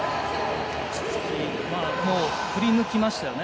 振り抜きましたよね。